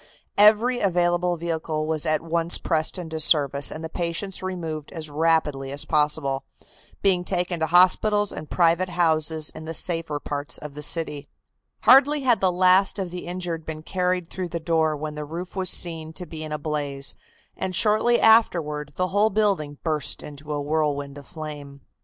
Every available vehicle was at once pressed into service and the patients removed as rapidly as possible, being taken to hospitals and private houses in the safer parts of the city. Hardly had the last of the injured been carried through the door when the roof was seen to be in a blaze, and shortly afterward the whole building burst into a whirlwind of flame.